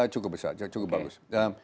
cukup besar cukup bagus